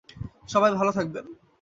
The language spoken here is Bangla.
সবাই ভালো থাকবেন।